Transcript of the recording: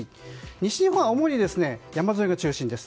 西日本は主に山沿いが中心です。